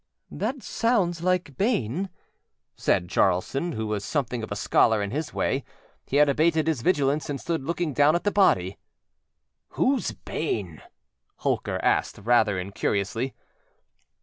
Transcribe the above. âThat sounds like Bayne,â said Jaralson, who was something of a scholar in his way. He had abated his vigilance and stood looking down at the body. âWhoâs Bayne?â Holker asked rather incuriously.